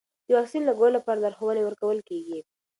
د واکسین لګولو لپاره لارښوونې ورکول کېږي.